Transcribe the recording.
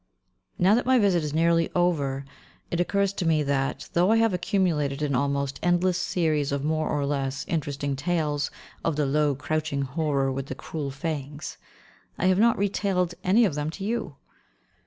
Now that my visit is nearly over, it occurs to me that, though I have accumulated an almost endless series of more or less interesting tales of the "low, crouching horror with the cruel fangs," I have not retailed any of them to you.